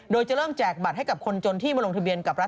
โดยจะเริ่มแจกบัตรให้กับคนจนที่มาลงทะเบียนกับรัฐ